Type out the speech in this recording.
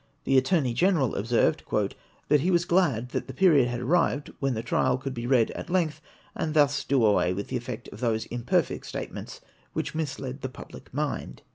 The Attorney Greneral observed, "that he was glad that the period had arrived when the trial could be read at length, and thus do away the effect of those imperfect statements which misled the public mind."